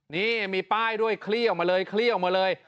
นี่มีป้ายด้วยคลี่ออกมาเลย